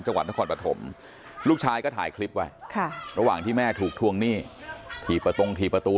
จังหวัดนครปฐมลูกชายก็ถ่ายคลิปไว้ระหว่างที่แม่ถูกทวงหนี้ขี่ประตงถี่ประตู